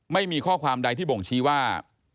ไม่มีข้อความใดที่บ่งชี้ว่า